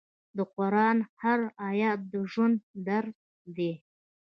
د قرآن هر آیت د ژوند درس دی.